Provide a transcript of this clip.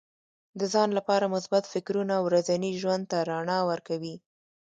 د ځان لپاره مثبت فکرونه ورځني ژوند ته رڼا ورکوي.